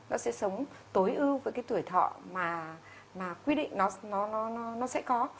nó sẽ sống tối ưu với cái tuổi thọ mà quy định nó sẽ có